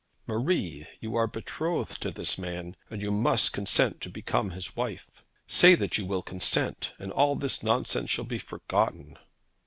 'Marie, you are betrothed to this man, and you must consent to become his wife. Say that you will consent, and all this nonsense shall be forgotten.'